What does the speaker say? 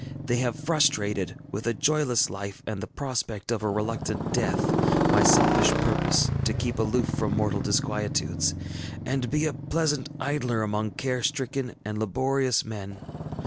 They have prostrated, with a joyless life and the prospect of a reluctant death, my selfish purpose to keep aloof from mortal disquietudes, and be a pleasant idler among care stricken and laborious men.